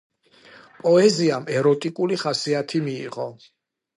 პოეზიამ ეროტიკული ხასიათი მიიღო.